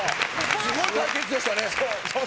すごい対決でしたね。